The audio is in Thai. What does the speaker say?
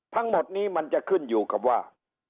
ทั้งหมดนี้มันจะขึ้นอยู่กับว่า